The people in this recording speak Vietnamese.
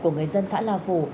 của người dân xã na phủ